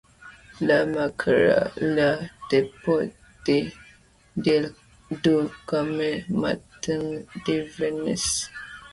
Le marquera le début de déclin du commerce maritime de Venise.